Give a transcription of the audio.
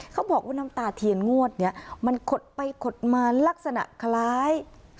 เขาบอกว่าน้ำตาเทียนงวดนี้มันขดไปขดมาลักษณะคล้าย